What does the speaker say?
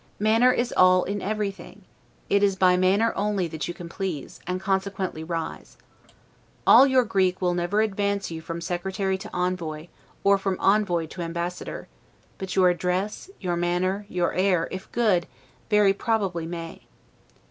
Manner is all, in everything: it is by manner only that you can please, and consequently rise. All your Greek will never advance you from secretary to envoy, or from envoy to ambassador; but your address, your manner, your air, if good, very probably may.